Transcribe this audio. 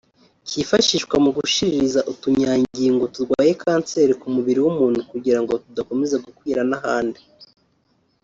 cyifashishwa mu gushiririza utunyangingo turwaye kanseri ku mubiri w’umuntu kugirango tudakomeza gukwira n’ahandi